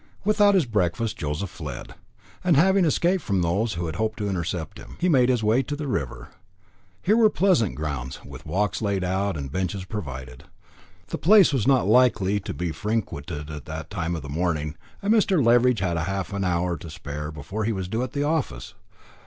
Without his breakfast, Joseph fled; and having escaped from those who had hoped to intercept him, he made his way to the river. Here were pleasant grounds, with walks laid out, and benches provided. The place was not likely to be frequented at that time of the morning, and Mr. Leveridge had half an hour to spare before he was due at the office.